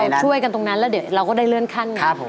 ช่วยกันตรงนั้นแล้วเดี๋ยวเราก็ได้เลื่อนขั้นไง